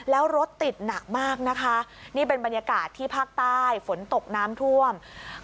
แล้วรถติดหนักมากนะคะนี่เป็นบรรยากาศที่ภาคใต้ฝนตกน้ำท่วม